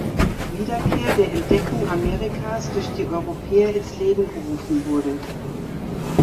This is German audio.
Wiederkehr der Entdeckung Amerikas durch die Europäer ins Leben gerufen wurde.